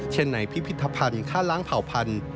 เช่นในพิพิธภัณฑ์ค่าล้างเผ่าพันธุ